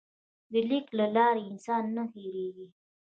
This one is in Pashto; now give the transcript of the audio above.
د لیک له لارې انسان نه هېرېږي.